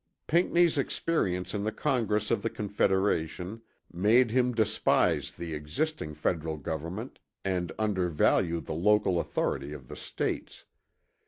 Pinckney's experience in the Congress of the Confederation made him despise the existing Federal Government and undervalue the local authority of the States.